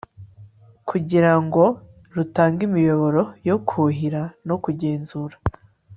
kugira ngo rutange imiyoboro yo kuhira no kugenzura